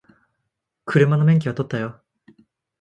車の免許取ったよ